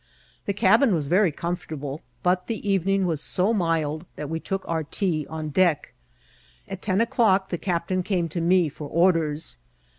The cabin was very com fortable, but the evening was so mild that we took our tea on deck. At ten o'clock the captain came to me for orders.